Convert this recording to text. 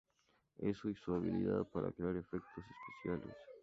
Eso, y su habilidad para crear efectos especiales.